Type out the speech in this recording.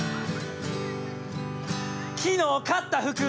「昨日買った服